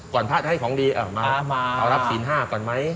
ก่อนพระอาจารย์ให้ของดีอ้าวมารับศีล๕ก่อนไหม